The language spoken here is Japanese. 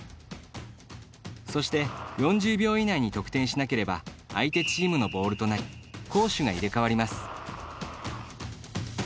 そして４０秒以内に得点しなければ相手チームのボールとなり攻守が入れ替わります。